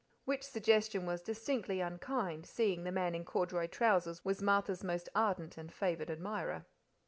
Which suggestion was distinctly unkind, seeing the man in corduroy trousers was Martha's most ardent and favoured admirer.